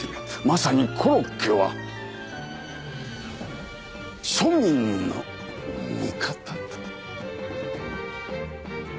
まさにコロッケは庶民の味方だ。